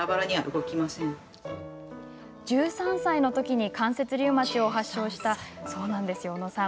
１３歳のときに関節リウマチを発症した小野さん。